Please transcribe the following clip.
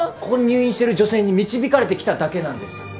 ここに入院してる女性に導かれて来ただけなんです。